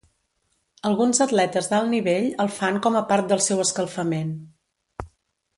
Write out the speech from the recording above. Alguns atletes d'alt nivell el fan com a part del seu escalfament.